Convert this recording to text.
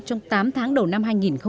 trong tám tháng đầu năm hai nghìn hai mươi